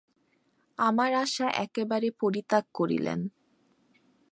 আমার আশা একেবারে পরিত্যাগ করিলেন।